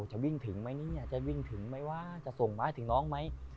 จะวิ่งถึงไหมเนี่ยจะวิ่งถึงไหมว่าจะส่งไม้ถึงน้องไหม